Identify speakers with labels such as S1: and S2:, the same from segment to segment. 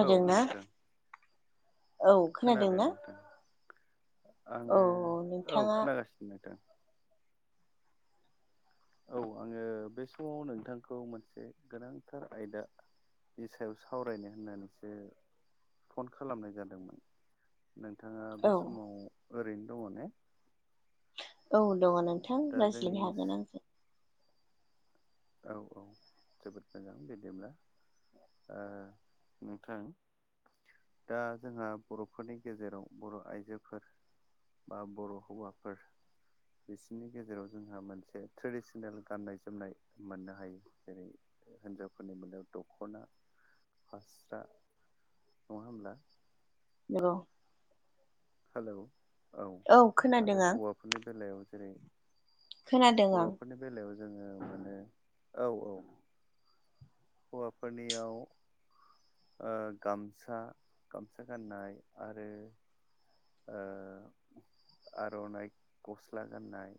S1: औ नोंथां
S2: औ खोनादों ना
S1: आङो औ
S2: नोंथाङा
S1: खोनागासिनो नोंथां औ आङो बे समाव नोंथांखौ मोनसे गोनांथार आयदा बे सायाव सावरायनो होननानैसो फन खालामनाय जादोंमोन नोंथाङा
S2: औ
S1: बे समाव ओरैनो दङ ने
S2: औ दङ नोंथां
S1: दा जोंनि
S2: रायजालायनो हागोन आंजों
S1: औ औ जोबोद मोजां बिदिब्ला अ नोंथां दा जोंहा बर'फोरनि गेजेराव बर' आइजोफोर बा बर' हौवाफोर बिसिनि गेजेराव जोंहा मोनसे ट्रेडिसनेल गाननाय जोमनाय मोननो हायो जेरै हिनजावफोरनि मोनायाव दख'ना [unintelligible] फास्रा नङा होमब्ला
S2: नंगौ [unintelligible]
S1: हेल'
S2: औ खोनादों आं
S1: बेफोरनि बेलायाव जेरै
S2: खोनादों आं
S1: हौवाफोरनि बेलायाव जोङो मोनो औ औ हौवाफोरनियाव गामसा गामसा गाननाय आरो ओ आर'नाइ गस्ला गाननाय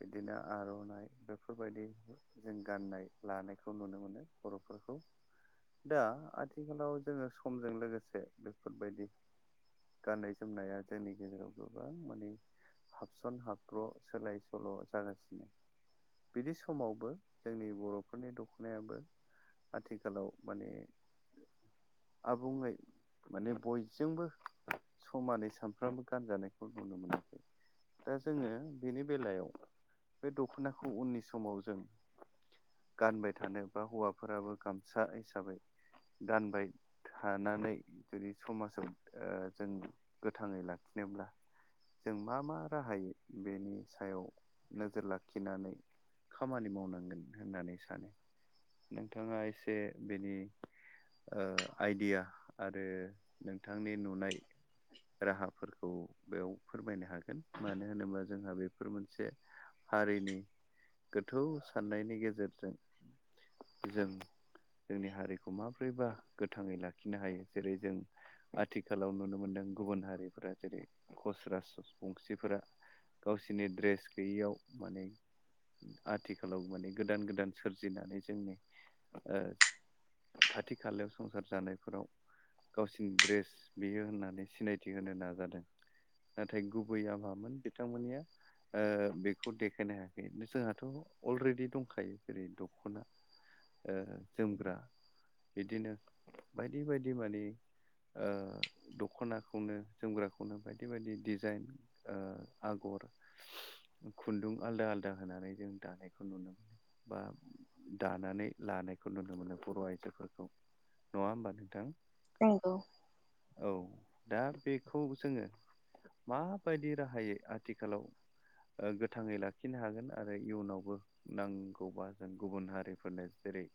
S1: बिदिनो आर'नाइ बेफोरबायदि जों गाननाय लानायखौ नुनो मोनो बर'फोरखौ। दा आथिखालाव जोङो समजों लोगोसे बेफोरबायदि गाननाय जोमनाया जोंनि गेजेराव गोबां माने हाबसन हाब्र' सोलाय सोल' जागासिनो। बिदि समावबो जोंनि बर'फोरनि दख'नायाबो आथिखालाव माने आबुङै माने बयजोंबो समानै सानफ्रोमबो गानजानायखौ नुनो मोनो। दा जोङो बेनि बेलायाव बे दख'नाखौ उननि समाव जों गानबाय थानो, बा हौवाफोराबो गामसा हिसाबै गानबाय थानानै जुदि समाजाव ओ जों गोथाङै लाखिनोब्ला जों मा मा राहायै बेनि सायाव नोजोर लाखिनानै खामानि मावनांगोन होननानै सानो। नोंथाङा एसे बेनि ओ आइडिया आरो नोंथांनि नुनाय राहाफोरखौ बेयाव फोरमायनो हागोन। मानो होनोबा जोंहा बेफोर मोनसे हारिनि गोथौ साननायनि गेजेरजों जों। जोंनि हारिखौ माब्रैबा गोथाङै लाखिनो हायो। जेरै जों आथिखालाव नुनो मोनदों गुबुन हारिफोरा जेरै खस राजबंसिफोरा गावसोरनि ड्रेस गैयैयाव माने आथिखालाव माने गोदान गोदान सोरजिनानै जोंनि ओ खाथि खालायाव संसार जानायफोराव गावसिनि ड्रेस बियो होननानै सिनायथि होनो नाजादों नाथाय गुबै आ मामोन बिथांमोननिया ओ बेखौ देखायनो हायाखै। जोंहाथ' अलरेडि दंखायो‌। जेरै दख'ना ओ जोमग्रा। बिदिनो बायदि बायदि माने ओ द खनाखौनो जोमग्राखौनो बायदि बायदि डिजाइन ओ आगर खुन्दुं आलदा आलदा होनानै जों दानायखौ नुनो मोनो। बा दानानै लानायखौ नुनो मोनो बर' आइजोफोरखौ। नङा होमबा नोंथां?
S2: नंगौ।
S1: औ दा बेखौ जोङो माबायदि राहायै आथिखालाव ओ गोथाङै लाखिनो हागोन। आरो इयुनावबो नांगौबा जों गुबुन हारिफोरनो जेरै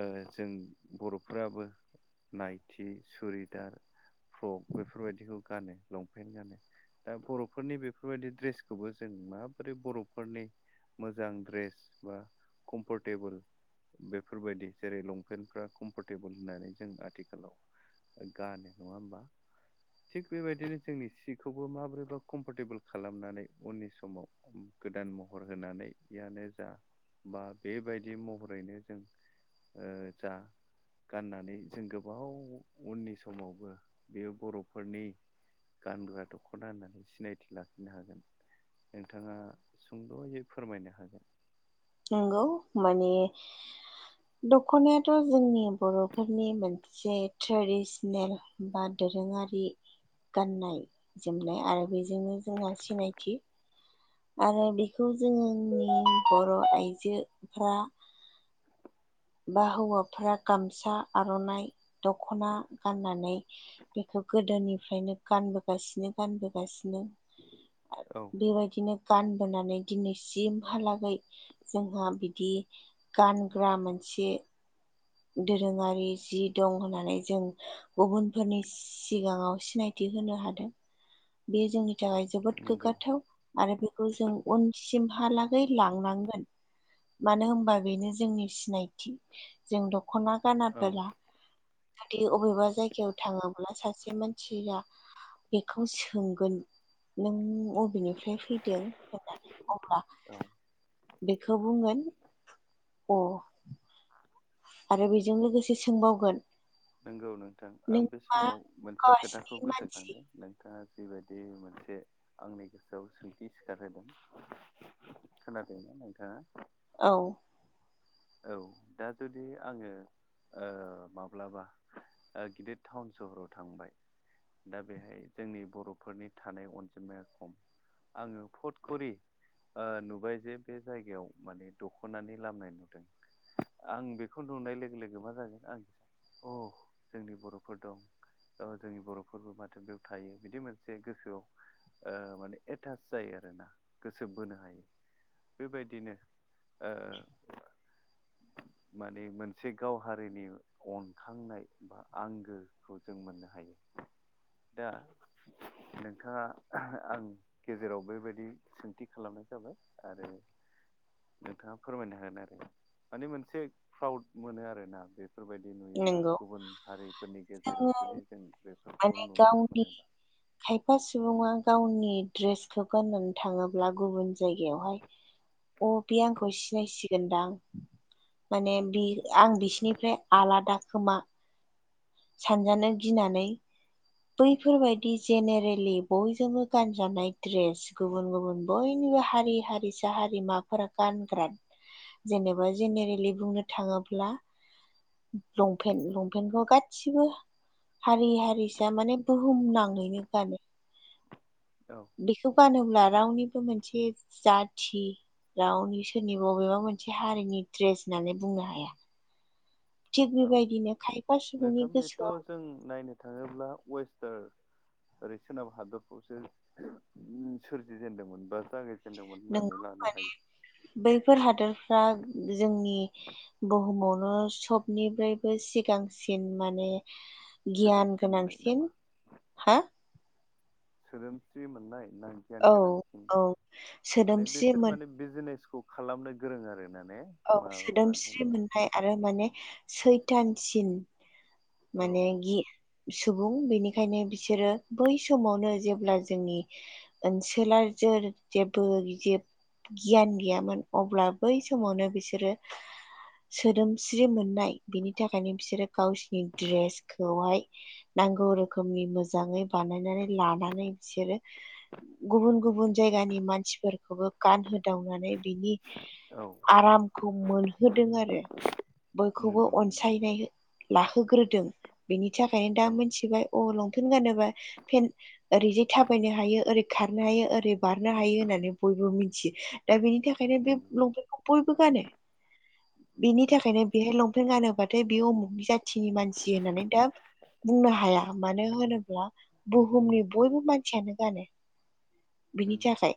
S1: ओ जों बर'फोराबो नायथि, सुरिदार फ्रक बेफोरबायदिखौ गानो लंफेन्ट गानो। दा बर'फोरनि बेफोरबायदि ड्रेसखौबो जों माबोरै बर'फोरनि मोजां ड्रेस बा कमफर्टेबोल बेफोरबायदि जेरै लंपेन्टफ्रा कम्फरटेबोल होननानै जों आथिखालाव गानो नंङा होमबा? थिग बेबायदिनो जोंनि सिखौबो माबोरैबा कमफरटेबोल खालामनानै उननि समाव गोदान महर होनानैयानो जा बा बेबायदि महरैनो जों जा गाननानै जों गोबाव उननि समावबो बेयो बर'फोरनि गानग्रा दख'ना होननानै सिनायथि लाखिनो हागोन। नोंथांङा सुंद'ययै फोरमायनो हागोन।
S2: नंगौ माने दख'नायाथ' जोंनि बर'फोरनि मोन जे ट्रेडिसनेल बा दोरोंङारि गाननाय जोमनाय आरो बेजोंनो जोंहा सिनायथि आरो बिखौ जोंनि बर' आइजोफ्रा बा हौवाफोरा गामसा, आर'नाइ, दख'ना गाननानै बेखौ गोदोनिफ्रायनो गानबोगासिनो गानबोगासिनो
S1: औ।
S2: बेबायदिनो गानबोनानै दिनैसिमहालागै जोंहा बिदि गानग्रा मोनसे दोरोङारि जि दं होननानै जों गुबुनफोरनि सि सिगाङाव सिनायथि होनो हादों बे जोंनि थाखाय जोबोद
S1: नंगौ
S2: गोग्गाथाव। आरो बेखौ जों उनसिमहालागै लांनांगोन। मानो होमबा बेनो जोंनि सिनायथि जों दख'ना
S1: औ
S2: गानाबोला माने अबेबा जायगायाव थाङाब्ला सासे मानसिया बेखौ सोंगोन। नों अबेनिफ्राय फैदों होननानै अब्ला
S1: औ
S2: बेखौ बुंगोन अ आरो बेजों लोगोसे सोंबावगोन
S1: नंगौ नोंथां आं
S2: नों
S1: बे
S2: मा
S1: समाव मोनसे खोथाखौ
S2: कासनि मानसि
S1: गोसोखांदों नों नाङा जि बादि मोनसे आंनि गोसोआव सोंथि सिखारहोदों। खोनादों ना नोंथांङा?
S2: औ।
S1: औ दा जुदि आंङो ओ माब्लाबा ओ गिदिद टाउन सहराव थांबाय दा बेहाय जोंनि बर'फोरनि थानाय अनजिमाया खम आंङो फथखरि ओ नुबाय जे बे जायगायाव माने दख'नानि लामनाय नु आं बेखौ नुनाय लोगो लोगो मा जागोन आं अ अह जोंनि बर'फोर दं। अ जोंनि बर'फोरबो माथो बेयाव थायो बिदि मोनसे गोसोआव ओ माने एटास जायो आरोना गोसो बोनो हायो बेबायदिनो ओ माने मोनसे गाव हारिनि अनखांनाय बा आंगोखौ जों मोननो हायो दा नोंथांङा आं गेजेराव बेबायदि सोंथि खालामनाय जाबाय आरो नोंथांङा फोरमायनो हागोन आरो माने मोनसे फ्राउद मोनो आरोना बे बेफोर बायदि नुयोब्ला
S2: नंगौ
S1: गुबुन हारिफोरनि गेजेराव
S2: जोङो
S1: जुदि जों बेफोरखौ
S2: माने
S1: नुनो
S2: गावनि
S1: मोनोब्ला
S2: खायफा सुबुंङा गावनि दड्रेसखौ गाननानै थाङोब्ला गुबुन जायगायावहाय अ बे आंखौ सिनायसिगोनदां माने बे आं बिसिनिफ्राय आलादा खोमा सानजानो गिनानै बैफोर बायदि जेनेरेलि बयजोंबो गानजानाय दड्रेस गुबुन गुबुन बयनिबो हारि हारिसा हारिमाफोरा गानग्रा जेनेबा जेनेरेलि बुंनो थाङोब्ला लंपेन्ट लंपेन्टखौ गासिबो हारि हारिसा माने बुहुम नाङैनो गानो।
S1: औ।
S2: बेखौ गानोब्ला रावनिबो मोनसे जाथि रावनि सोरनिबा बबेबा मोनसे हारिनि दड्रेस होननानै बुंनो हाया। थिग
S1: औ
S2: बेबायदिनो खायफा सुबुंनि
S1: नोंथां बेथ'
S2: गोसोआव
S1: जों नायनो थाङोब्ला वेस्टार्न ओरै सोनाब हादरफ्रावसो सोरजि जेनदोंमोन बा जागाय
S2: नोंगौ माने बैफोर हादोरफ्रा जोंनि बुहुमावनो सबनिफ्रायबो सिगांसिन माने गियान
S1: सोदोमस्रि मोननाय नामा
S2: गोनांसिन हा
S1: सोदोमस्रि मोननाय ना गियान
S2: औ
S1: गोनांथि
S2: औ
S1: माने
S2: सोदोमस्रि
S1: बिसोर
S2: मोन
S1: माने बिजनेसखौ खालामनो गोरों आरो माने
S2: औ सोदोमस्रि मोनथाय आरो माने सैथानसिन
S1: औ
S2: माने गि सुबुं बेनिखायनो बिसोरो बै समावनो जेब्ला जोंनि ओनसोला जों जेबो गि गियान गैयामोन अब्ला बै समावनो बिसोरो सोदोमस्रि मोननाय बिनि थाखायनो बिसोरो गावसिनि ड्रेसखौहाय नांगौ रोखोमनि मोजाङै बानायनानै लानानै बिसोरो गुबुन गुबुन जायगानि मानसिफोरखौबो गानहोदावनानै बिनि
S1: औ
S2: आराम मोनहोदों आरो बयखौबो
S1: नंगौ नंगौ
S2: अनसायनाय लाहोग्रोदों। बिनि थाखायनो दा
S1: औ
S2: मोनथिबाय अ लंपेेनट गानोबा पेन ओरैजे थाबायनो हायो ओरै खारनो हायो ओरै बारनो हायो होननानै बयबो मिथियो दा बेनि थाखायनो बे
S1: नंगौ
S2: लंपेन्टखौ बयबो गानो बेनि थाखायनो बेहाय लंपेन्ट गानोबाथाय बे उमुगनि जा जाथिनि मानसि होननानै दा बुंनो हाया। मानो होनोब्ला बुहुमनि बयबो मानसियानो गानो। बिनि
S1: उम
S2: थाखाय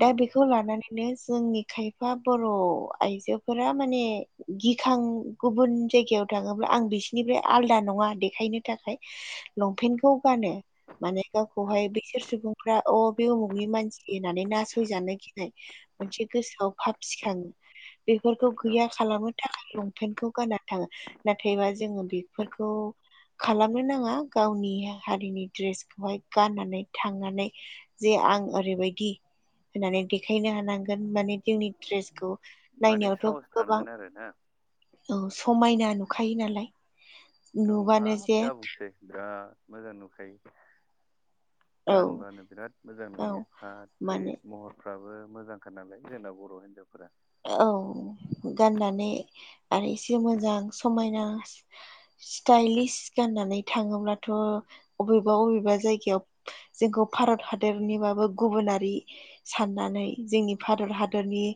S2: दा
S1: नंगौ
S2: बेखौ लानानैनो जोंनि खायफा बर' आइजो फोर माने गिखां गुबुन जायगायाव थाङोब्ला आं बिसिोरनिफ्राय आलदा नङा देखायनो थाखाय लंपेन्टखौ गानो माने
S1: औ
S2: गावखौहाय बैसोर सुबुं फ्रा अ बे उमुगनि मानसि होननानै नासयजानो गिनाय मोनसे गोसोआव फाब सिखाङो बेफोरखौ
S1: औ
S2: गैया खालामनो थाखाय लंपेेनटखौ गानना थाङो। नाथायबा जोङो बेफोरखौ खालामनो नाङा गावनि हारिनि ड्रेसखौहाय गाननानै थांनानै जे आं ओरैबायदि होननानै देखायनो हानांगोन माने जोंनि दड्रेसखौ
S1: माने साहस थानांगोन आरो ना।
S2: औ समायना नुखायो नालाय। नुबानो
S1: औहाबाब
S2: जे
S1: दा बुंसै बिराद मोजां नुखायो।
S2: औ
S1: गानबानो बिराद मोजां
S2: औ
S1: नुयो फाथ
S2: माने
S1: फेट महर फाबो मोजांखाार नालाय जोंना बर' हिनजावफोरा
S2: औ गाननानै आरो एसे मोजां समायना स्टाइलिस गाननानै थाङोब्लाथ' अबेबा अबेबा जायगायाव जोंखौ भारत हादरनिबाबो गुबुनारि साननानै जोंनि भारत हादरनि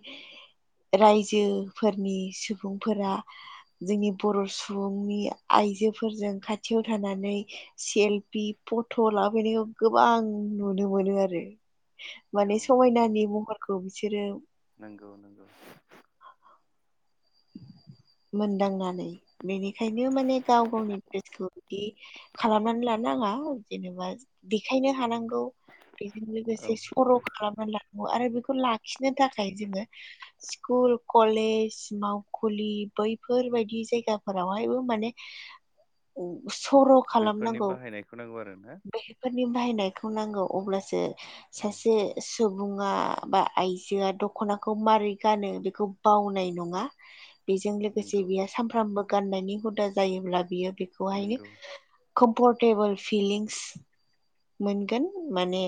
S2: रायजोफोरनि सुबुंफोरा जोंनि बर' सुबुंनि आइजोफोरजों खाथियाव थानानै सेलफि फट' लाबनायखौ गोबां नुनो मोनो आरो।
S1: औ
S2: माने समायनानि महरखौ बिसोरो
S1: नंगौ नंगौ।
S2: मोनदांनानै बेनिखायनो माने गाव गावनि नोजोरखौ बिदि खालामनानै लानो नाङा जेनेबा देखायनो हानांगौ बेजों
S1: औ
S2: लोगोसे सर' खालामना लानांगौ आरो बेखौ लाखिनो थाखाय जोङो स्कुल कलेज मा बैफोरबायायदि जायगाफोरावहायबो माने सरक
S1: बेफोरनि बाहायनायखौ नांगौ आरो ना।
S2: फोरनि बाहायनायखौ नांगौ अब्लासो
S1: औ
S2: सासे सुबुङा बा आइजोआ दख'नाखौ माबारै गानो बेखौ बावनाय नङा। बेजों लोगोसे
S1: नंगौ
S2: बियो सानफ्रामबो गाननायनि हुदा जायोब्ला बियो बेखौहायनो
S1: नंगौ
S2: कम्फरटेबोल फिलिंस मोनगोन माने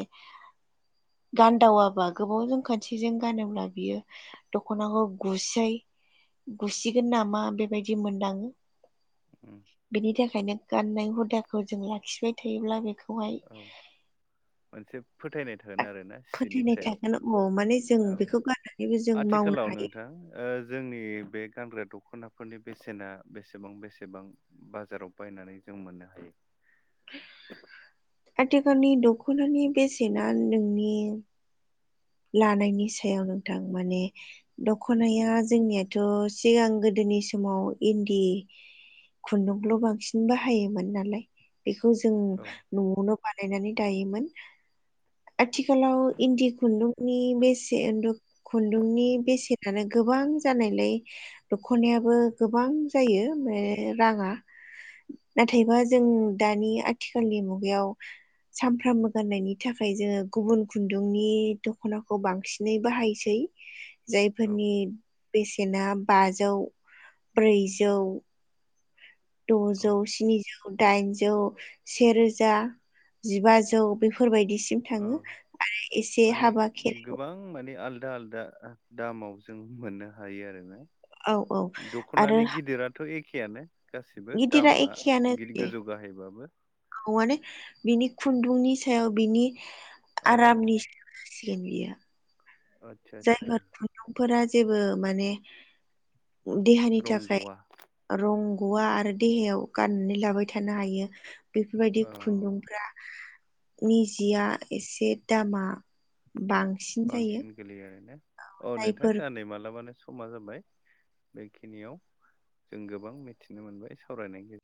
S2: गानदावाबा गोबावजों खोंनसेजों गानोब्ला बियो दखनाखौ गुसै गुसिगोन नामा बेबायदि मोनदाङो
S1: उम
S2: बेनि थाखायनो गाननाय हुदाखौ जों लाखिबाय थायोब्ला बेखौ
S1: औ मोनसे फोथायनाय थागोन आरोना सिनि
S2: फोथायनाय
S1: सायाव
S2: थागोन अ माने जों
S1: औ
S2: बेखौ गाननानैबो जों मावनो
S1: आथिखालाव
S2: हायो
S1: नोंथां जोंनि बे गानग्रा दख'नाफोरनि बेसेना बेसेबां बेसेबां बाजाराव बायनानै जों मोननो हायो
S2: आथिखालनि दख'नानि बेसेना नोंनि लानायनि सायाव नोंथां माने दख'नाया जोंनियाथ' सिगां गोदोनि समाव इन्दि खुन्दुंल' बांसिन बाहायोमोन नालाय बेखौ जों
S1: औ
S2: न'आवनो बानायनानै दायोमोन आथिखालाव इन्दि खुन्दुं नि बेसे खुन्दुंनि बेसेनानो गोबां जानायलाय दख'नायाबो गोबां जायो माने राङा नाथायबा जों दानि आथिखालनि मुगायाव सामफ्रामबो गाननायनि थाखाय जोङो गुबुन खुन्दुंनि दख'नाखौ बांसिनै बाहायसै
S1: औ
S2: जायफोरनि बेसेना बाजौ ब्रैजौ
S1: औ
S2: द'जौ स्निजौ दाइनजौ सेरोजा जिबाजौ बेफोरबायदिसिम
S1: औ
S2: थाङो आरो एसे
S1: माने
S2: हाबा खेराय
S1: गोबां माने आलदा आलदा दामाव जों मोननो हायो आरोना
S2: औ औ आरो
S1: दख'नानि गिदिराथ' एखेयानो गासिबो
S2: गिदिरा
S1: दामा गिदिर गोजौ बाहायबाबो
S2: औ माने बिनि खुन्दुंनि सायाव बिनि
S1: अ
S2: आरामनि सायाव जासिगोन बियो
S1: आदसा आदसा
S2: जायफोर खुन्दुंफोरा जेबो माने देहानि थाखाय
S1: रंग'आ
S2: रंग'वा आरो देहायाव गाननानै लाबाय थानो हायो बेफोरबायदि
S1: अ
S2: खुन्दुंफ्रा नि जिया एसे दामा बांसिन जायो
S1: बांसिन गोलैयो आरोना औ नोंथां
S2: जायफोर
S1: जाहा नै मालाबानो समा जाबाय बेखिनियाव जों गोबां मिथिनो मोनबाय सावरायनाय गेजेरजों